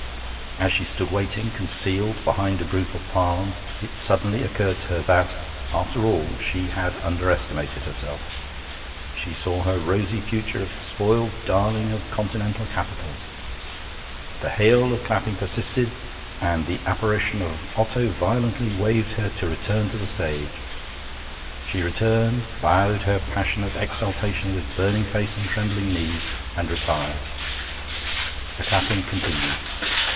As she stood waiting, concealed behind a group of palms, it suddenly occurred to her that, after all, she had underestimated herself. She saw her rosy future as the spoiled darling of continental capitals. The hail of clapping persisted, and the apparition of Otto violently waved her to return to the stage. She returned, bowed her passionate exultation with burning face and trembling knees, and retired. The clapping continued.